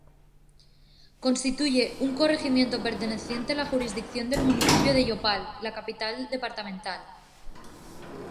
Constituye un corregimiento perteneciente a la jurisdicción del municipio de Yopal, la capital departamental.